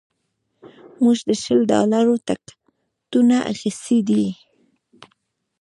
موږ د شل ډالرو ټکټونه اخیستي دي